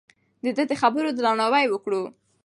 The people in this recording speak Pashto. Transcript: د ده د خبرو درناوی وکړو.